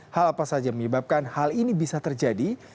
hal apa saja menyebabkan hal ini bisa terjadi